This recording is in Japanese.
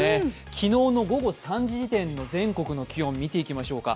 昨日の午後３時時点の全国の気温、見ていきましょうか。